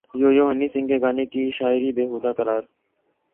you Yo Honey Singh کے گانے کی شاعری بیہودہ قرار